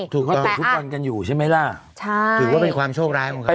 เขาก็เตะฟุตบอลกันอยู่ใช่ไหมล่ะใช่ถือว่าเป็นความโชคร้ายของเขา